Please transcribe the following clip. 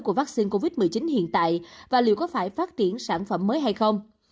của vaccine covid một mươi chín hiện tại và liệu có phải phát triển sản phẩm mới hay không